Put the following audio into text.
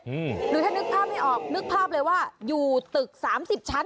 หรือถ้านึกภาพให้ออกนึกภาพเลยว่าอยู่ตึก๓๐ชั้น